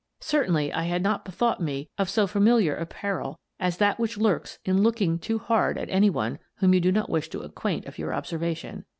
Certainly I had not bethought me of so familiar a peril as that which lurks in looking too hard at any one whom you do not wish to acquaint of your observation.